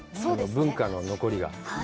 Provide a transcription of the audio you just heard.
文化の残りが。